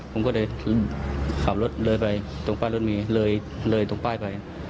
ผมก็เลยขับรถเลยไปตรงฝ้าหญิงระนะมีเลยเลยตรงป้ายไป